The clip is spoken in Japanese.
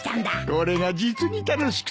これが実に楽しくてな。